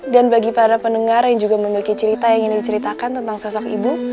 dan bagi para pendengar yang juga memiliki cerita yang ingin diceritakan tentang sosok ibu